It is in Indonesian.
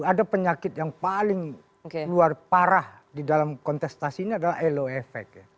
ada penyakit yang paling luar parah di dalam kontestasi ini adalah loef